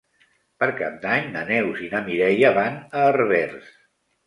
Per Cap d'Any na Neus i na Mireia van a Herbers.